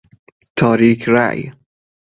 تاریک رأی